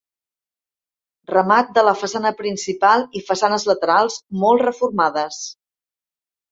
Remat de la façana principal i façanes laterals molt reformades.